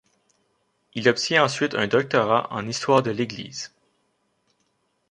Il obtient ensuite un doctorat en histoire de l'Église.